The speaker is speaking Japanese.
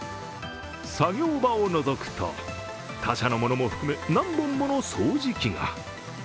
作業場をのぞくと、他社のものも含め、何本もの掃除機が。